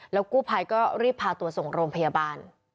กู้ภัยก็รีบพาตัวส่งโรงพยาบาล